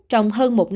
trong hơn một tuần